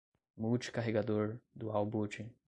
multi-carregador, dual booting